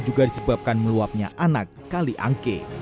juga disebabkan meluapnya anak kali angke